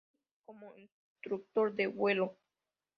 Navy como instructor de vuelo.